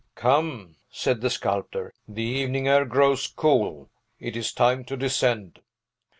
"Come," said the sculptor, "the evening air grows cool. It is time to descend."